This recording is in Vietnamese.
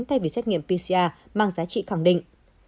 thay vì xét nghiệm pcr mang giá trị khẳng định